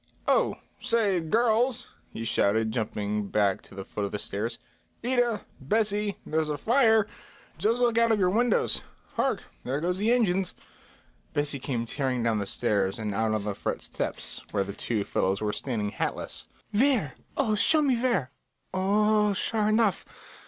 "Oh, say, girls," he shouted, jumping back to the foot of the stairs; "Ida, Bessie, there's a fire. Just look out of your windows. Hark, there go the engines." Bessie came tearing down the stairs and out on the front steps, where the two fellows were standing hatless. "Where? Oh, show me where! O o oh, sure enough!